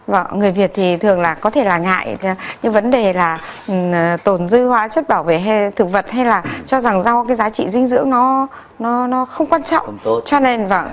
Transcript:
và người việt thì thường là có thể là ngại như vấn đề là tổn dư hóa chất bảo vệ thực vật hay là cho rằng rau cái giá trị dinh dưỡng nó không quan trọng